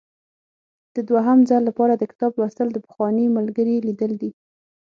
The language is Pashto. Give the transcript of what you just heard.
د دوهم ځل لپاره د کتاب لوستل د پخواني ملګري لیدل دي.